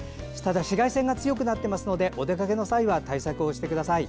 紫外線が強くなっていますのでお出かけの際は対策をしてください。